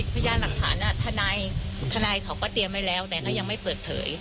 พยานหลักฐานทนายเขาก็เตรียมไว้แล้วแต่ก็ยังไม่เปิดเผย